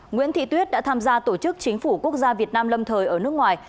nguyễn thị tuyết đã tham gia tổ chức chính phủ quốc gia việt nam lâm thời ở nước ngoài